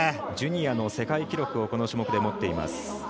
ジュニアの世界記録をこの種目で持っています。